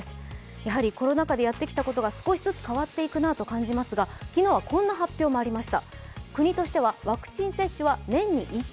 やはりコロナ禍でやってきたことが少しずつ変わっていくなと感じますが昨日はこんな発表もありました。